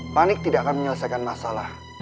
panik tidak akan menyelesaikan masalah